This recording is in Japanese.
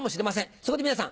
そこで皆さん